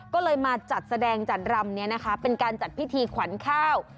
ก็เลยมาจัดแสดงจัดรำนี้นะคะเป็นการจัดพิธีขวัญข้าว